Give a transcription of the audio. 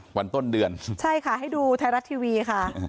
วันต้นเดือนใช่ค่ะให้ดูไทยรัฐทีวีค่ะ